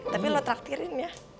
tapi lo traktirin ya